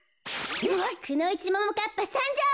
くのいちももかっぱさんじょう！